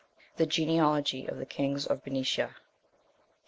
THE GENEALOGY OF THE KINGS OF BERNICIA.